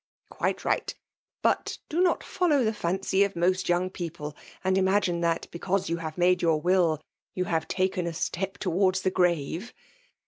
— Quite ligbt. But do not follow tbe fimcy of mosi young people^ and imagine tibat, because you baye made your will, you hare taken a step towards tbe grave!